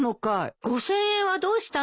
５，０００円はどうしたのよ？